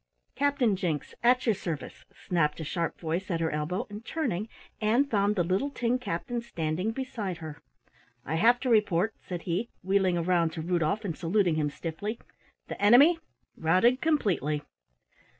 "Captain Jinks at your service," snapped a sharp voice at her elbow, and turning, Ann found the little tin captain standing beside her. "I have to report," said he, wheeling around to Rudolf and saluting him stiffly "the enemy routed completely!"